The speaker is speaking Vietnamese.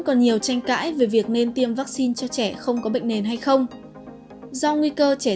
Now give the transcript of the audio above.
còn nhiều tranh cãi về việc nên tiêm vaccine cho trẻ không có bệnh nền hay không do nguy cơ trẻ